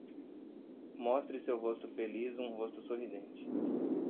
Mostre seu rosto feliz um rosto sorridente.